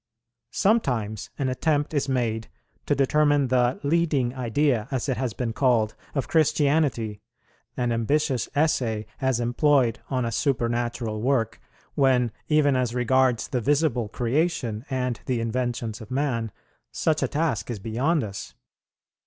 Sometimes an attempt is made to determine the "leading idea," as it has been called, of Christianity, an ambitious essay as employed on a supernatural work, when, even as regards the visible creation and the inventions of man, such a task is beyond us.